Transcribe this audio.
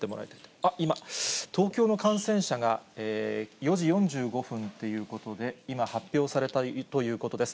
あっ、今、東京の感染者が４時４５分ということで、今、発表されたということです。